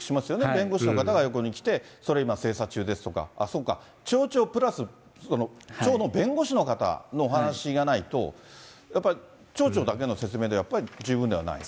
弁護士の方が横に来て、それ今、精査中ですとか、ああ、そうか、町長プラスその町の弁護士の方のお話がないと、やっぱり町長だけの説明ではやっぱり十分ではない。